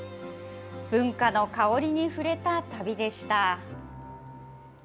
文化の香りに触れた旅でした。